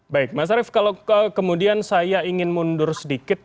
baik mas arief kalau kemudian saya ingin mundur sedikit